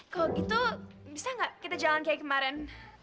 kalau gitu bisa nggak kita jalan kayak kemarin